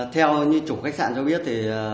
theo như chủ khách sạn cho biết thì